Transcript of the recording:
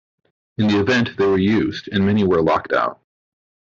In the event they were used and many were locked out.